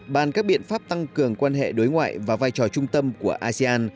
bàn các biện pháp tăng cường quan hệ đối ngoại và vai trò trung tâm của asean